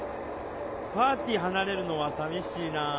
パーティー離れるのはさみしいなあ。